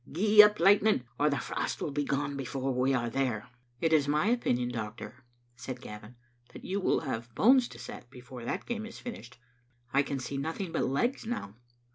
Gee up, Lightning, or the frost will be gone before we are there. "" It is my opinion, doctor," said Gavin, " that you will have bones to set before that game is finished. I can see nothing but legs now."